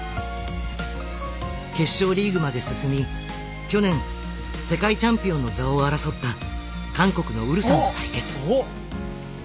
決勝リーグまで進み去年世界チャンピオンの座を争った韓国のウルサンと対決。